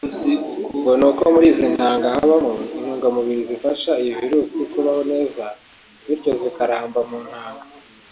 ngo ni uko muri izi ntanga habamo intungamubiri zifasha iyi virus kubaho neza bityo zikaramba mu ntanga